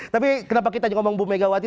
tapi kenapa kita ngomong bumn mejawati